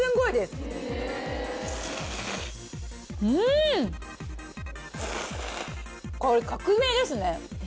あっこれ革命ですね。